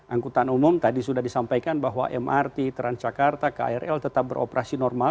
angkutan umum tadi sudah disampaikan bahwa mrt transjakarta krl tetap beroperasi normal